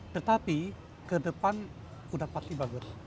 tetapi ke depan sudah pasti bagus